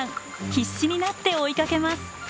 必死になって追いかけます。